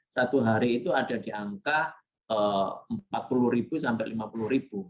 satu hari itu ada di angka empat puluh sampai lima puluh